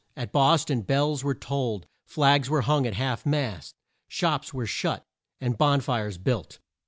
At Bos ton bells were tolled; flags were hung at half mast; shops were shut, and bon fires built.